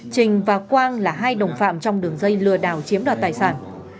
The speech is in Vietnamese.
trình và quang là hai đồng phạm trong đường dây lừa đảo chiếm đoạt tài sản